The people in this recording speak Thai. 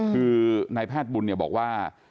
คือนายแพทย์บุญเนี่ยบอกว่า